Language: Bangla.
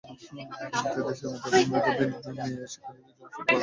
তাই দেশের মেধাবী মেয়ে শিক্ষার্থীদের জন্য চালু করা হয়েছে আরশাদ আহমেদ মেধাবৃত্তি।